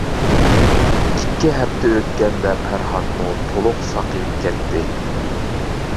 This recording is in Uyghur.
ئىككى ھەپتە ئۆتكەندە پەرھاتمۇ تولۇق ساقىيىپ كەتتى.